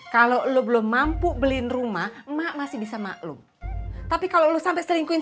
kalau lo belum mampu beliin rumah emak masih bisa maklum tapi kalau lo sampai selingkuhin